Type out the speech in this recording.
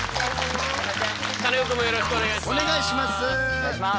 カネオくんもよろしくお願いします。